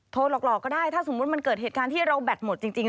หลอกก็ได้ถ้าสมมุติมันเกิดเหตุการณ์ที่เราแบตหมดจริง